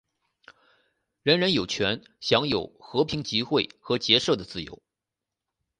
人人有权享有和平集会和结社的自由。